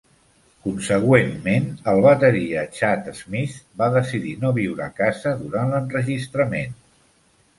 Consegüentment, el bateria Chad Smith va decidir no viure a casa durant l"enregistrament.